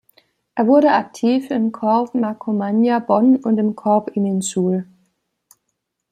Er wurde aktiv im Corps Markomannia Bonn und im Corps Irminsul.